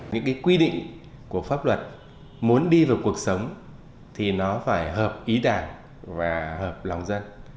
những cái quy định của pháp luật muốn đi vào cuộc sống thì nó phải hợp ý đảng và hợp lòng dân